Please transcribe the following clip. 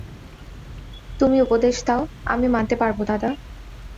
তুমি উপদেশ দাও, আমি মানতে পারব দাদা।